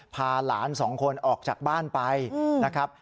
พาหลานสองคนออกจากบ้านไปนะครับ